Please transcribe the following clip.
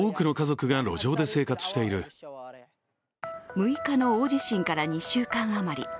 ６日の大地震から２週間余り。